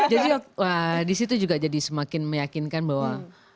jadi disitu juga jadi semakin meyakinkan bahwa